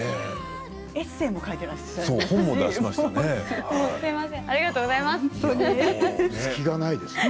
エッセーも書いてらっしゃいますよね。